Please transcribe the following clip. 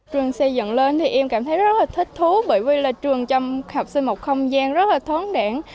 trường xây dựng lên thì em cảm thấy rất là thích thú bởi vì là trường trong học sinh một không gian rất là thoáng đẳng